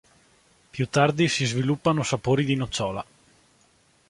Più tardi si sviluppano sapori di nocciola.